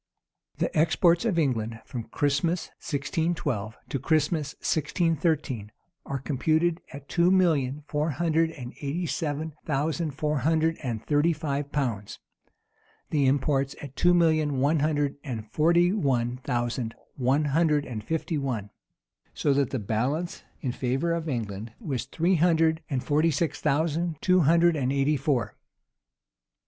The exports of England from Christmas, 1612, to Christmas 1613, are computed at two millions four hundred and eighty seven thousand four hundred and thirty five pounds; the imports at two millions one hundred and forty one thousand one hundred and fifty one: so that the balance in favor of England was three Hundred and forty six thousand two hundred and eighty four.